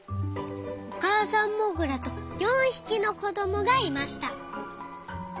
おかあさんモグラと４ひきのこどもがいました。